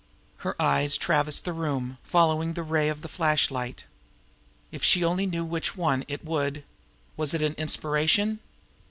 Her eyes traversed the room, following the ray of the flashlight. If she only knew which one, it would Was it an inspiration?